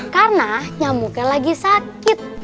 karena nyamuknya lagi sakit